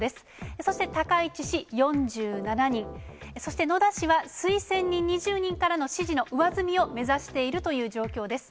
そして高市氏４７人、そして野田氏は推薦人２０人からの支持の上積みを目指しているという状況です。